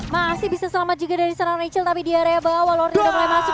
masih bisa selamat juga dari sana rachel tapi di area bawah lordi sudah mulai masuk